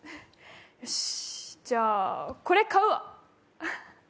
よしっ、じゃ、これ買うわ。